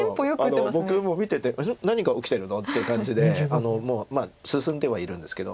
僕も見てて「何が起きてるの？」って感じで進んではいるんですけど。